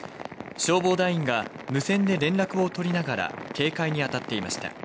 消防団員が無線で連絡を取りながら警戒に当たっていました。